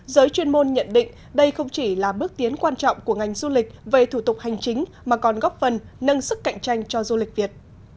giới chuyên môn nhận định đây không chỉ là bước tiến quan trọng của ngành du lịch về thủ tục hành chính mà còn góp phần nâng sức cạnh tranh cho du lịch việt